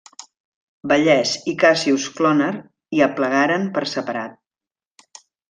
Vallès i Cassius Cloner hi aplegaren per separat.